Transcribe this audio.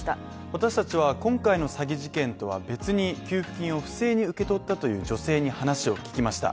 私たちは今回の詐欺事件とは別に給付金を不正に受け取ったという女性に話を聞きました。